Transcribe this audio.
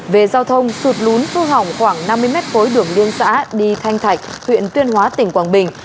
về giao thông sụt lún thu hỏng khoảng năm mươi m cối đường liên xã đi thanh thạch huyện tuyên hóa tỉnh quảng bình